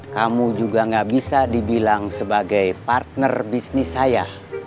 kamu juga gak bisa dibilang sebagai partner bisnis saya